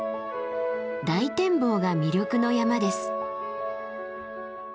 大展望が魅力の山です。